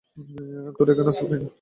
তোরা এখানে আসতে পারি না।